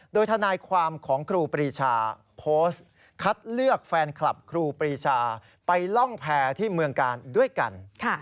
โดยทนายความของครูปรีชาโพสต์คัดเลือกแฟนคลับครูปรีชาไปล่องแพรที่เมืองกาลด้วยกัน